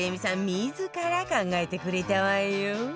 自ら考えてくれたわよ